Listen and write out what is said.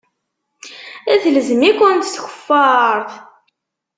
Telzem-ikent tkeffart.